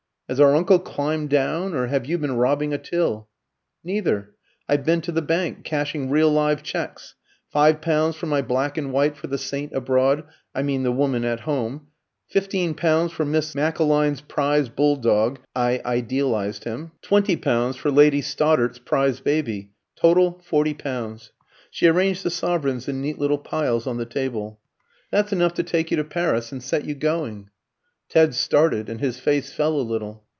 Has our uncle climbed down, or have you been robbing a till?" "Neither. I've been to the bank, cashing real live cheques. Five pounds for my black and white for the Saint Abroad, I mean the "Woman at Home." Fifteen pounds for Miss Maskelyne's prize bull dog (I idealised him). Twenty pounds for Lady Stodart's prize baby. Total, forty pounds." She arranged the sovereigns in neat little piles on the table. "That's enough to take you to Paris and set you going." Ted started, and his face fell a little.